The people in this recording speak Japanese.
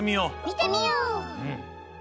みてみよう！